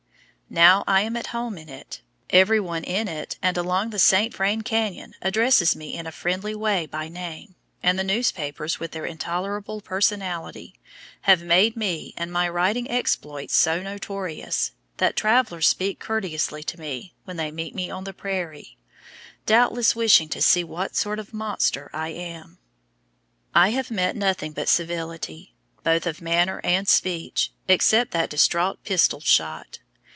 Now I am at home in it; every one in it and along the St. Vrain Canyon addresses me in a friendly way by name; and the newspapers, with their intolerable personality, have made me and my riding exploits so notorious, that travelers speak courteously to me when they meet me on the prairie, doubtless wishing to see what sort of monster I am! I have met nothing but civility, both of manner and speech, except that distraught pistol shot.